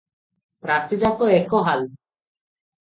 ରାତିଯାକ ଏକ ହାଲ ।